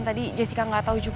tadi jessica gak tau juga